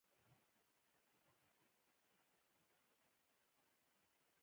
زه د شکر کښلو عادت لرم.